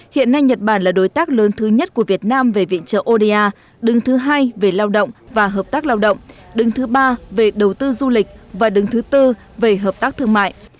hiện nay nhật bản là đối tác lớn thứ nhất của việt nam về viện trợ oda đứng thứ hai về lao động và hợp tác lao động đứng thứ ba về đầu tư du lịch và đứng thứ tư về hợp tác thương mại